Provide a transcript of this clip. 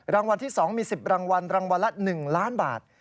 รางวัลที่๒มี๑๐รางวัลรางวัลละ๑ล้านบาท